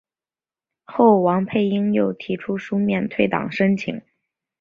后王佩英又提出书面退党申请。